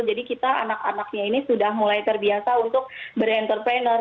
jadi kita anak anaknya ini sudah mulai terbiasa untuk berentrepreneur